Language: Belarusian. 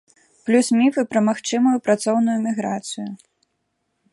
Плюс міфы пра магчымую працоўную міграцыю.